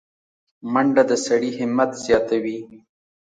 منډه د سړي همت زیاتوي